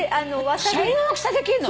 シャリの大きさできるの！？